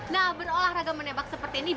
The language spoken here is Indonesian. nah berolahraga menebak seperti ini